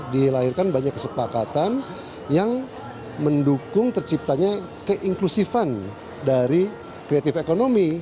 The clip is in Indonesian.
dilahirkan banyak kesepakatan yang mendukung terciptanya keinklusifan dari creative economy